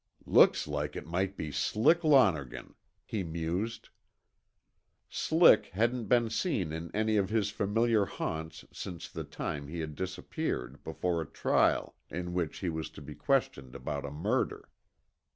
"Looks like it might be Slick Lonergan," he mused. Slick hadn't been seen in any of his familiar haunts since the time he had disappeared before a trial in which he was to be questioned about a murder.